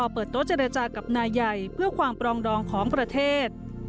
เปิดโต๊ะเจรจากับนายใหญ่เพื่อความปรองดองของประเทศ